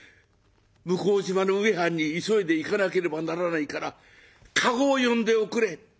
向島の植半に急いで行かなければならないから駕籠を呼んでおくれ。